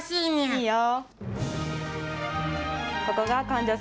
いいよ。